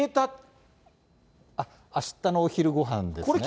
あしたのお昼ごはんですね。